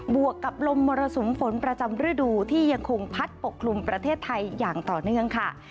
วกกับลมมรสุมฝนประจำฤดูที่ยังคงพัดปกคลุมประเทศไทยอย่างต่อเนื่องค่ะ